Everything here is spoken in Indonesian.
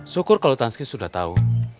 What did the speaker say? syukur kalau taski sudah tahu